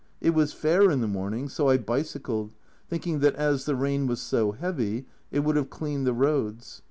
It was fair in the morning so I bicycled, thinking that as the rain was so heavy it would have cleaned the roads.